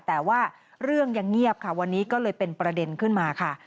แต่ว่าเรื่องยังเงียบค่ะวันนี้ก็เลยเป็นประเด็นขึ้นมาค่ะ